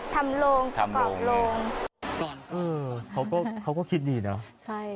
ทำโรงทำโรงเออเขาก็เขาก็คิดดีเนอะใช่